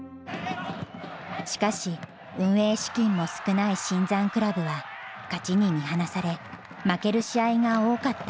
しかし運営資金も少ない新参クラブは勝ちに見放され負ける試合が多かった。